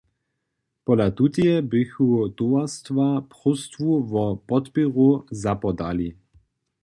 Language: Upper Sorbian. Pola tuteje bychu towarstwa próstwu wo podpěru zapodali.